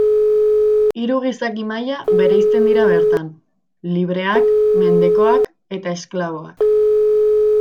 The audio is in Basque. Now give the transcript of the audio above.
Hiru gizaki maila bereizten dira bertan: libreak, mendekoak eta esklaboak.